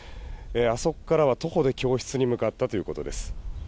あそこからは徒歩で教室に向かったということです。